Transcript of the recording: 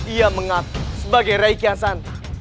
ia mengatakan sebagai raiki hansan